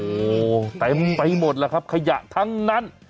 โอ้โหเต็มไปหมดแล้วครับขยะทั้งนั้น